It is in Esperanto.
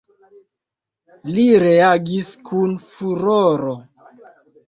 Li reagis kun furoro.